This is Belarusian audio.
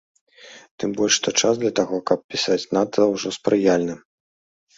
Тым больш, што час для таго, каб пісаць, надта ўжо спрыяльны.